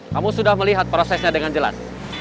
kamu sudah melihat prosesnya dengan jelas